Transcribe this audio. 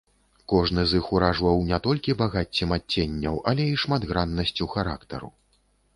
Кожны з іх уражваў не толькі багаццем адценняў, але і шматграннасцю характару.